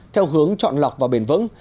theo hướng chọn lọc và bền vững